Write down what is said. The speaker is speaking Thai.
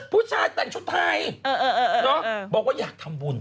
ผู้ชายแต่งชุดไทยบอกว่าอยากทำบุญ